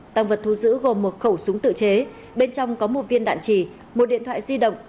tăng vật thu giữ gồm một khẩu súng tự chế bên trong có một viên đạn trì một điện thoại di động